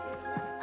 あ？